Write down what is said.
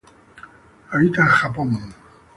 Habita en Japón.